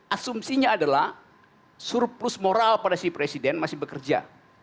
asumsinya adalah surplus moral pada si presiden masih bekerja